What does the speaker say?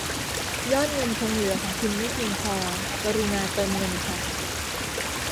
ยอดเงินคงเหลือของคุณไม่เพียงพอ กรุณาเติมเงินค่ะ